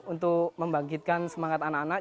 untuk membangkitkan semangat anak anak